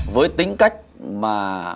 với tính cách mà